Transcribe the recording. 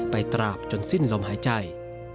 ตราบจนสิ้นลมหายใจ